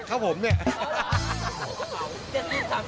เพราะว่าอยากเป็นน้องใหม่ด้วย